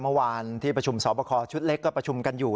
เมื่อวานที่ประชุมสอบคอชุดเล็กก็ประชุมกันอยู่